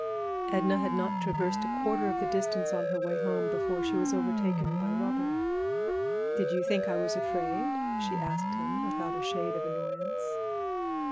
Edna had not traversed a quarter of the distance on her way home before she was overtaken by Robert. "Did you think I was afraid?" she asked him, without a shade of annoyance.